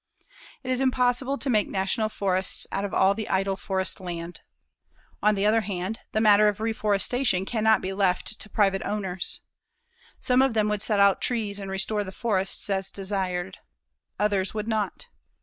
It is impossible to make National Forests out of all the idle forest land. On the other hand, the matter of reforestation cannot be left to private owners. Some of them would set out trees and restore the forests as desired. Others would not.